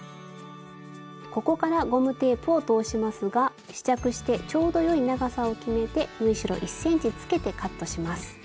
ここからゴムテープを通しますが試着してちょうどよい長さを決めて縫い代１ｃｍつけてカットします。